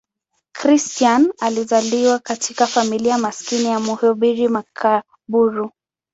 Christian alizaliwa katika familia maskini ya mhubiri makaburu.